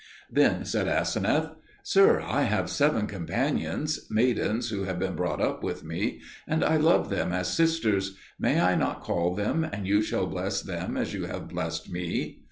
Then said Aseneth, "Sir, I have seven companions, maidens who have been brought up with me, and I love them as sisters: may I not call them, and you shall bless them as you have blessed me?"